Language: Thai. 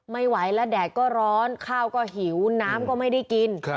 ไม่ไหวและแดดก็ร้อนข้าวก็หิวน้ำก็ไม่ได้กิน